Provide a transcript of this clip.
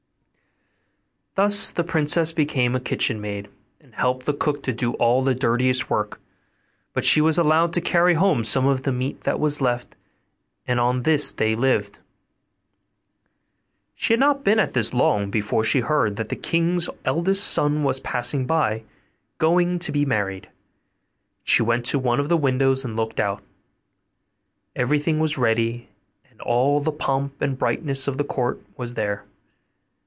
Thus the princess became a kitchen maid, and helped the cook to do all the dirtiest work; but she was allowed to carry home some of the meat that was left, and on this they lived. She had not been there long before she heard that the king's eldest son was passing by, going to be married; and she went to one of the windows and looked out. Everything was ready, and all the pomp and brightness of the court was there.